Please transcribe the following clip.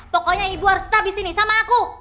pokoknya ibu harus tetap disini sama aku